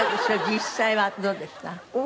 実際はどうでした？